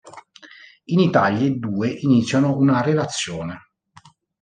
In Italia i due iniziano una relazione.